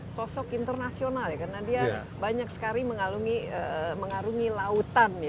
sosok internasional ya karena dia banyak sekali mengarungi lautan